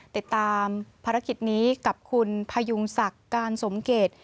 ติดตามภารกิจนี้กับคุณพยุงศักดิ์การสมเกต